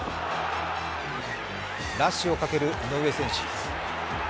ラッシュをかける井上選手。